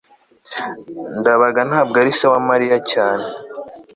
ndabaga ntabwo ari se wa mariya cyane